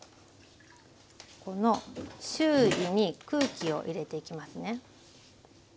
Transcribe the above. この周囲に空気を入れていきますね。